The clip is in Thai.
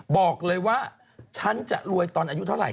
บอกเลยว่าฉันจะรวยตอนอายุเท่าไห